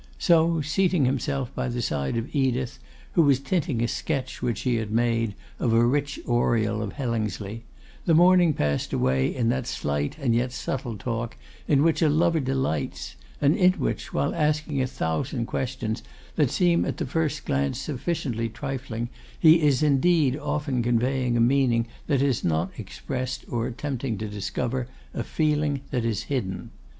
So, seating himself by the side of Edith, who was tinting a sketch which she had made of a rich oriel of Hellingsley, the morning passed away in that slight and yet subtle talk in which a lover delights, and in which, while asking a thousand questions, that seem at the first glance sufficiently trifling, he is indeed often conveying a meaning that is not expressed, or attempting to discover a feeling that is hidden.